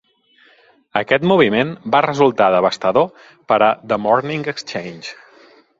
Aquest moviment va resultar devastador per a "The Morning Exchange".